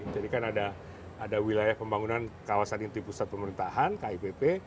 jadi kan ada wilayah pembangunan kawasan inti pusat pemerintahan kipp